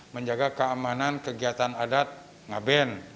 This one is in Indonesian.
menjaga keamanan kegiatan adat ngaben